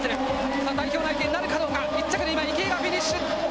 さあ、代表内定となるかどうか、１着で今、池江がフィニッシュ。